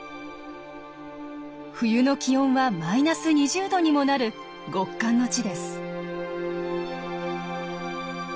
冬の気温はマイナス２０度にもなる極寒の地です。